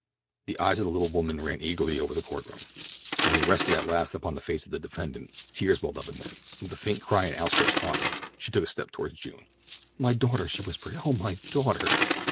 The eyes of the little woman ran eagerly over the court room. When they rested at last upon the face of the defendant, tears welled in them, and with a faint cry and outstretched arms she took a step toward June. "My daughter!" she whispered. "Oh, my daughter!"